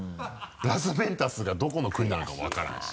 「ラス・ベンタス」がどこの国なのかも分からんし。